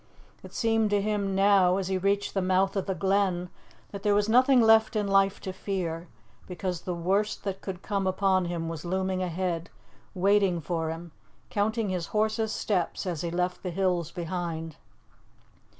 It seemed to him now, as he reached the mouth of the Glen, that there was nothing left in life to fear, because the worst that could come upon him was looming ahead, waiting for him, counting his horse's steps as he left the hills behind.